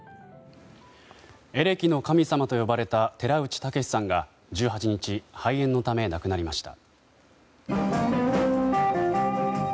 エレキの神様と呼ばれた寺内タケシさんが１８日、肺炎のため亡くなりました。